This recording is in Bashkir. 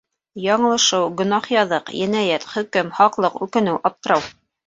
Яңылышыу, гонаһ-яҙык, енәйәт, хөкөм; һаҡлыҡ, үкенеү, аптырау